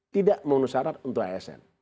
tidak memenuhi syarat untuk asn